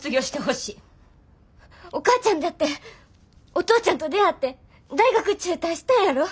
お母ちゃんだってお父ちゃんと出会って大学中退したんやろ。